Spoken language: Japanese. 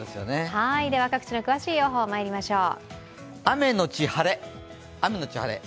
各地の詳しい予報まいりましょう。